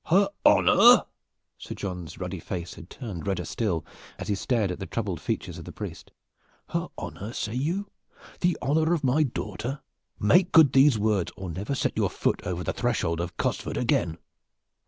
"Her honor?" Sir John's ruddy face had turned redder still, as he stared at the troubled features of the priest. "Her honor, say you the honor of my daughter? Make good those words, or never set your foot over the threshold of Cosford again!"